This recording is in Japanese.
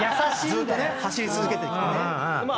ずっと走り続けてきてね。